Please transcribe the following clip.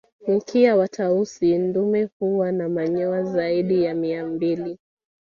Mkia wa Tausi dume huwa na manyoa zaidi ya Mia mbili